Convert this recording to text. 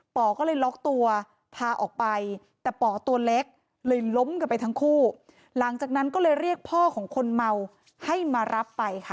ป่อก็เลยล็อกตัวพาออกไปแต่ป่อตัวเล็กเลยล้มกันไปทั้งคู่หลังจากนั้นก็เลยเรียกพ่อของคนเมาให้มารับไปค่ะ